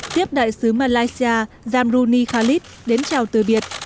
tiếp đại sứ malaysia jamruni khalid đến chào từ biệt